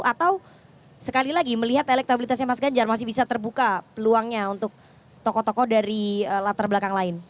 atau sekali lagi melihat elektabilitasnya mas ganjar masih bisa terbuka peluangnya untuk tokoh tokoh dari latar belakang lain